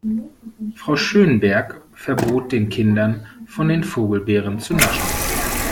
Frau Schönberg verbot den Kindern, von den Vogelbeeren zu naschen.